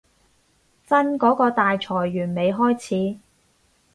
真嗰個大裁員未開始